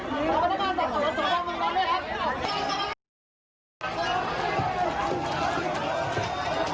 มันให้ผิดความร่วมของสมัย